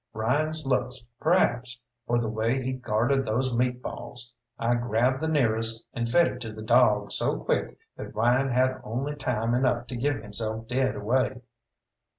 Ryan's looks perhaps, or the way he guarded those meat balls. I grabbed the nearest, and fed it to the dog so quick that Ryan had only time enough to give himself dead away.